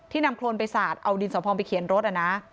นำโครนไปสาดเอาดินสอพองไปเขียนรถนะ